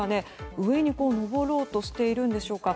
上に登ろうとしているんでしょうか。